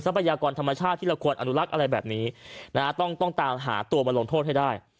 พยากรธรรมชาติที่เราควรอนุรักษ์อะไรแบบนี้นะฮะต้องต้องตามหาตัวมาลงโทษให้ได้